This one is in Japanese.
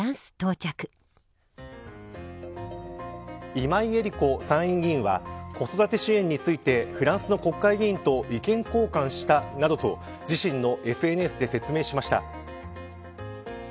今井絵理子参院議員は子育て支援についてフランスの国会議員と意見交換したなどと自身のＳＮＳで説明しました。